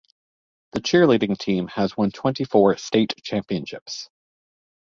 The cheerleading team has won twenty-four state championships.